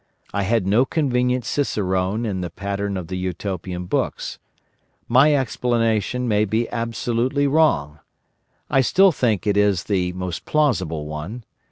I had no convenient cicerone in the pattern of the Utopian books. My explanation may be absolutely wrong. I still think it is the most plausible one.